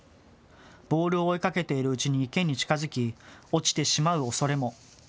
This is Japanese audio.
ボールを追いかけているうちに池に近づき落ちてしまうおそれも。